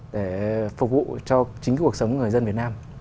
để phục vụ cho chính cuộc sống người dân việt nam